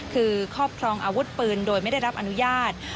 คือครอบครองอาวุธปืนโดยไม่ได้รับอนุญาต